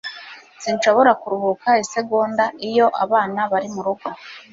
Sinshobora kuruhuka isegonda iyo abana bari murugo.